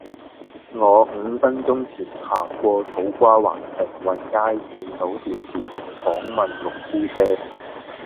我五分鐘前行過土瓜灣鴻運街見到電視台訪問六姑姐